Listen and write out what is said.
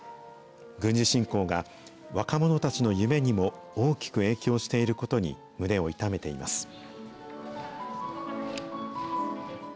軍事侵攻が、若者たちの夢にも大きく影響していることに胸を痛めています。